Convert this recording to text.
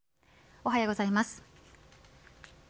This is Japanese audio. おはようございます。